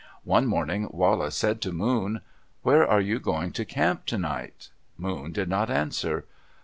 One morning Wala said to Moon, "Where are you going to camp tonight?" Moon did not answer.